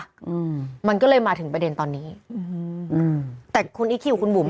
อืมมันก็เลยมาถึงประเด็นตอนนี้อืมอืมแต่คุณอีคคิวกับคุณบุ๋ม